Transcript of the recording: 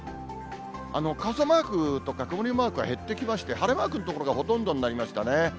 傘マークとか、曇りマークは減ってきまして、晴れマークの所がほとんどになりましたね。